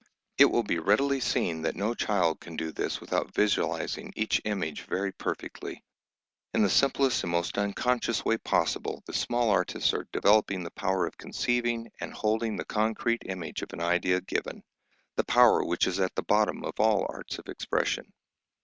It will be readily seen that no child can do this without visualising each image very perfectly. In the simplest and most unconscious way possible, the small artists are developing the power of conceiving and holding the concrete image of an idea given, the power which is at the bottom of all arts of expression.